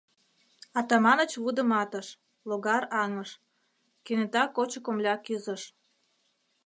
— Атаманыч вудыматыш, логар аҥыш; кенета кочо комля кӱзыш.